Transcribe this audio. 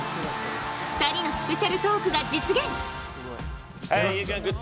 ２人のスペシャルトークが実現！